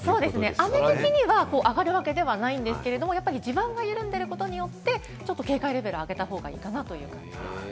雨的には上がるわけではないんですが、地盤が緩んでることによって、ちょっと警戒レベルを上げた方がいいかなと思います。